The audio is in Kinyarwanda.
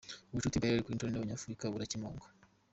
Ubucuti bwa Hillary Clinton n’Abanyafurika burakemangwa.